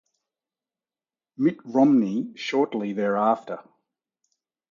Mitt Romney shortly thereafter.